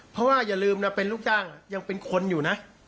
เพราะว่าอย่าลืมนะเป็นลูกจ้างยังเป็นคนอยู่นะ